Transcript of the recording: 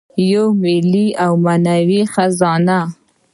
یوه ملي او معنوي خزانه.